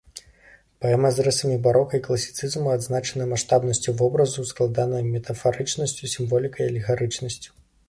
Паэмы з рысамі барока і класіцызму адзначаны маштабнасцю вобразаў, складанай метафарычнасцю, сімволікай і алегарычнасцю.